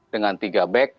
dengan tiga back